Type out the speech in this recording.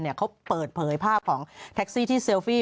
เขาเปิดเผยภาพของแท็กซี่ที่เซลฟี่